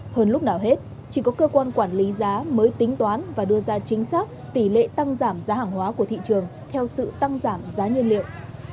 hơn lúc nào hết chỉ có cơ quan quản lý giá mới tính toán và đưa ra chính xác tỷ lệ tăng giảm giá hàng hóa của thị trường theo sự tăng giảm giá nhiên liệu